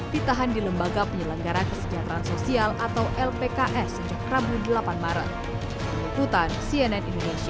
ditahan di lembaga penyelenggara kesejahteraan sosial atau lpks sejak rabu delapan maret